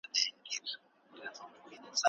چې ته نه یې، نو مفهوم د هستۍ څه دی؟